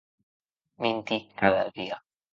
Mentir cada dia!